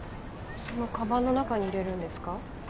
そのかばんの中に入れるんですか？